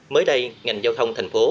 mới đây ngành giao thông thành phố